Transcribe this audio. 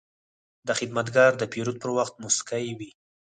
دا خدمتګر د پیرود پر وخت موسکی وي.